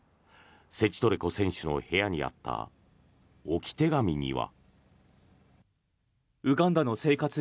セチトレコ選手の部屋にあった置き手紙には。